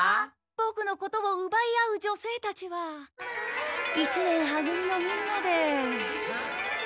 ボクのことをうばい合う女性たちは一年は組のみんなで。